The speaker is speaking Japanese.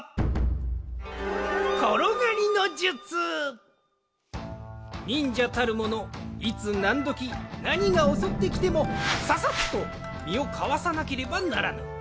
ほんじつはにんじゃたるものいつなんどきなにがおそってきてもささっとみをかわさなければならぬ。